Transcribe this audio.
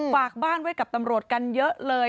ฝากบ้านไว้กับตำรวจกันเยอะเลย